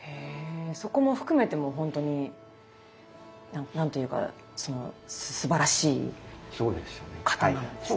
そこも含めてもう本当に何と言うかすばらしい刀なんですね。